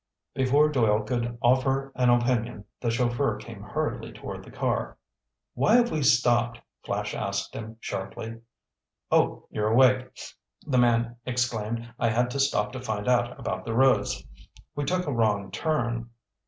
Before Doyle could offer an opinion, the chauffeur came hurriedly toward the car. "Why have we stopped?" Flash asked him sharply. "Oh, you're awake!" the man exclaimed. "I had to stop to find out about the roads. We took a wrong turn."